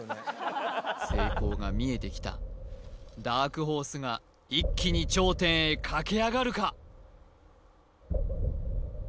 成功が見えてきたダークホースが一気に頂点へ駆け上がるか？